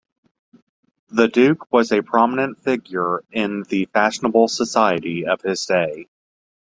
The Duke was a prominent figure in the fashionable society of his day.